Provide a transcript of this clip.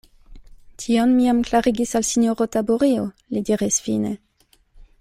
Tion mi jam klarigis al sinjoro Taburio, li diris fine.